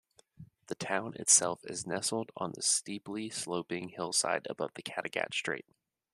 The town itself is nestled on the steeply sloping hillside above the Kattegat Strait.